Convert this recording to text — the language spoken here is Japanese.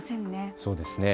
そうですね。